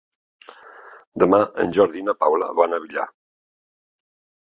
Demà en Jordi i na Paula van al Villar.